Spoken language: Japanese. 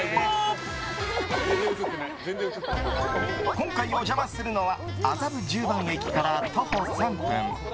今回お邪魔するのは麻布十番駅から徒歩３分。